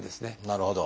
なるほど。